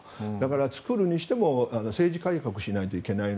作るにしても政治改革しなくちゃいけない。